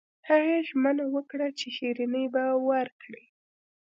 هغې ژمنه وکړه چې شیریني به ورکړي